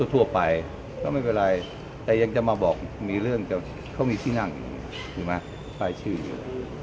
ทั่วไปก็ไม่เป็นไรแต่ยังจะมาบอกมีเรื่องจะเขามีที่นั่งอยู่ไหมป้ายชื่ออยู่